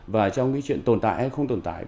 và trong cái chuyện tồn tại hay không tồn tại